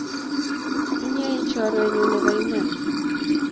Inye ii chorwenyu nebo iman